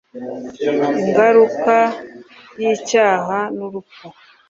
Ingaruka yicyaha nurupfu